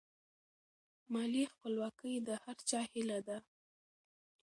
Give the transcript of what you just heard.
مالي خپلواکي د هر چا هیله ده.